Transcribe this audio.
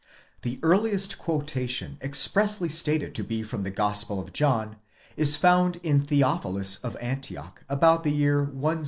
° The earliest quotation expressly stated to be from the Gospel of John is found in Theophilus of Antioch, about the year 172.